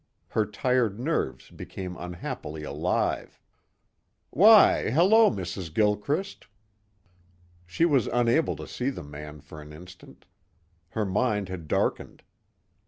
Her tired nerves became unhappily alive. "Why hello, Mrs. Gilchrist." She was unable to see the man for an instant. Her mind had darkened.